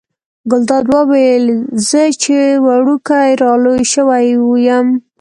ګلداد وویل زه چې وړوکی را لوی شوی یم.